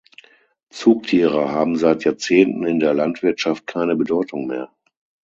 Zugtiere haben seit Jahrzehnten in der Landwirtschaft keine Bedeutung mehr.